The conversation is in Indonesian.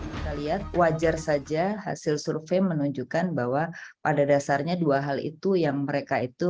kita lihat wajar saja hasil survei menunjukkan bahwa pada dasarnya dua hal itu yang mereka itu